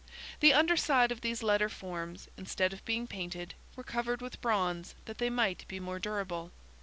The under side of these letter forms, instead of being painted, were covered with bronze that they might be more dur able.